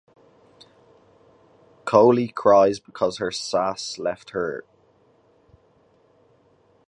Koly cries because her sass has left her.